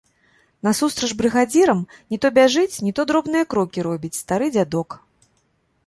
Насустрач брыгадзірам не то бяжыць, не то дробныя крокі робіць стары дзядок.